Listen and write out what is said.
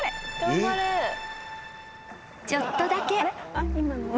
［ちょっとだけ］